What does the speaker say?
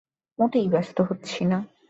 মোটেই ব্যস্ত হচ্ছি না।